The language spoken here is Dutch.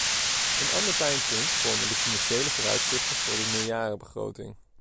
Een ander pijnpunt vormen de financiële vooruitzichten voor de meerjarenbegroting.